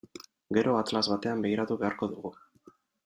Gero atlas batean begiratu beharko dugu.